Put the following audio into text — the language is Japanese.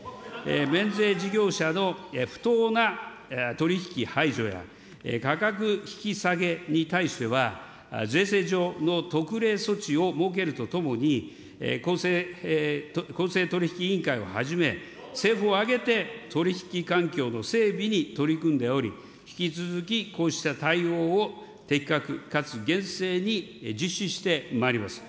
免税事業者の不当な取り引き排除や、価格引き下げに対しては、税制上の特例措置を設けるとともに、公正取引委員会をはじめ、政府を挙げて取り引き環境の整備に取り組んでおり、引き続きこうした対応を的確かつ厳正に実施してまいります。